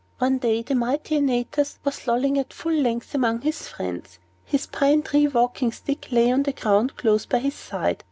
One day the mighty Antaeus was lolling at full length among his little friends. His pine tree walking stick lay on the ground, close by his side.